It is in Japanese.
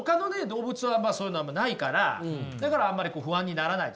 動物はそういうのないからだからあんまり不安にならない。